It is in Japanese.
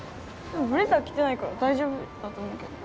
ブレザー着てないから大丈夫だと思うけど。